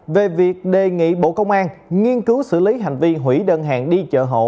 về việc đề nghị bộ công an nghiên cứu xử lý hành vi hủy đơn hàng đi chợ hộ